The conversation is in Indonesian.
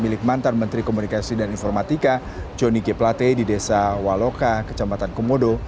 milik mantan menteri komunikasi dan informatika johnny g plate di desa waloka kecamatan komodo